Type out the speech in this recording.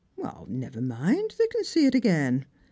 " Well, never mind, they can see it again.